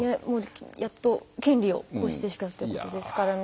やっと権利を行使できたということですからね。